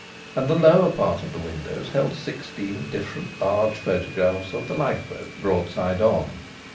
And the lower part of the windows held sixteen different large photographs of the lifeboat broad side on.